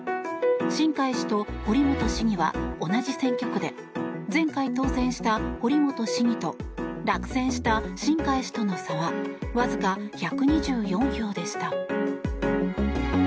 新開氏と堀本市議は同じ選挙区で前回当選した堀本市議と落選した新開氏との差はわずか１２４票でした。